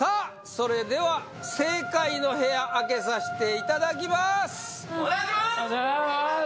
それでは正解の部屋開けさしていただきます